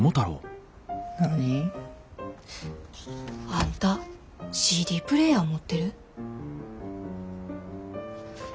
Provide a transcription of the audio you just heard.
何？あんたＣＤプレーヤー持ってる？